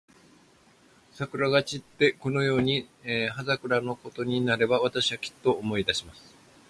桜が散って、このように葉桜のころになれば、私は、きっと思い出します。